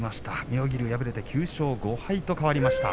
妙義龍が敗れて９勝５敗と変わりました。